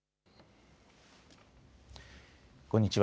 こんにちは。